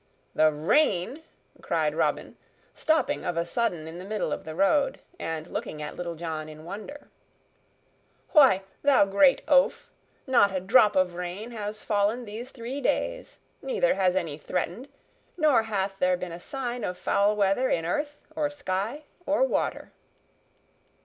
"The rain!" cried Robin, stopping of a sudden in the middle of the road, and looking at Little John in wonder. "Why, thou great oaf! not a drop of rain has fallen these three days, neither has any threatened, nor hath there been a sign of foul weather in earth or sky or water."